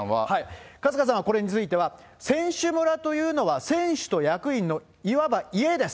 春日さんはこれについては、選手村というのは、いわば選手の家です。